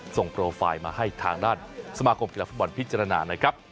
โปรไฟล์มาให้ทางด้านสมาคมกีฬาฟุตบอลพิจารณานะครับ